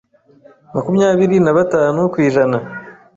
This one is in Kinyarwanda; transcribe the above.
makumyabiri nabatanu kw’ijana